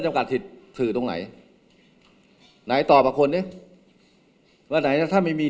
จำกัดถือตรงไหนไหนตอบอาควรนี่ว่าไหนถ้าไม่มี